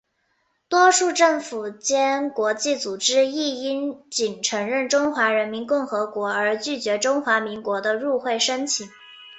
多数政府间国际组织亦因仅承认中华人民共和国而拒绝中华民国的入会申请。